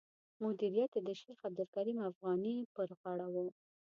مدیریت یې د شیخ عبدالکریم افغاني پر غاړه و.